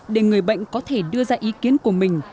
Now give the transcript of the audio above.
để người bệnh có thể đưa ra ý kiến của mình